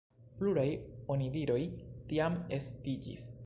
Pluraj onidiroj tiam estiĝis.